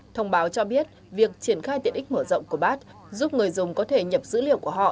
thông báo cho biết việc triển khai tiện ích mở rộng của bat giúp người dùng có thể nhập dữ liệu của họ